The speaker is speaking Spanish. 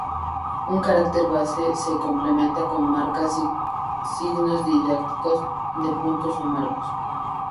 Un carácter base se complementa con marcas: signos diacríticos, de puntuación o marcos.